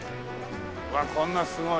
うわあこんなすごい。